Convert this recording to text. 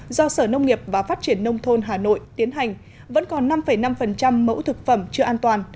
do sở nông nghiệp và phát triển nông thôn hà nội tiến hành vẫn còn năm năm mẫu thực phẩm chưa an toàn